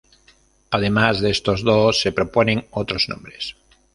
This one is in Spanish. Además de estos dos, se proponen otros nombres.